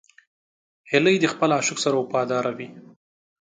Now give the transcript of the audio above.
هیلۍ د خپل عاشق سره وفاداره وي